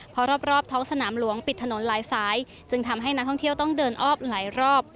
เพราะรอบท้องสนามหลวงปิดถนนหลายสายจึงทำให้นักท่องเที่ยวต้องเดินอ้อมหลายรอบ